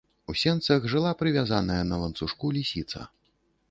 У сенцах жыла прывязаная на ланцужку лісіца.